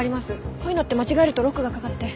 こういうのって間違えるとロックがかかって。